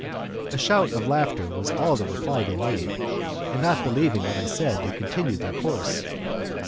A shout of laughter was all the reply they made, and not believing what I said they continued their course.